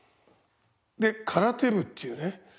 で空手部っていうね。